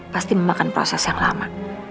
pasti memakan proses yang lama